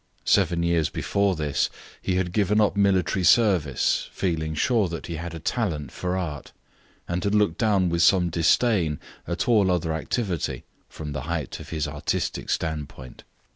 Seven years before this he had given up military service, feeling sure that he had a talent for art, and had looked down with some disdain at all other activity from the height of his artistic standpoint.